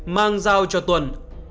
mang rao cho tuần